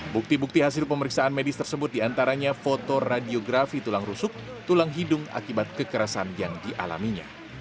bukti bukti hasil pemeriksaan medis tersebut diantaranya foto radiografi tulang rusuk tulang hidung akibat kekerasan yang dialaminya